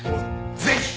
ぜひ！